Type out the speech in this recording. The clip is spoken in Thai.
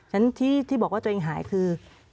ฉะนั้นที่บอกว่าตัวเองหายคือ